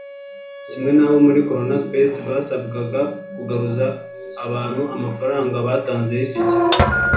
kimwe n'abo muri Corona Space basabwaga kugaruza abantu amafaranga batanze y'itike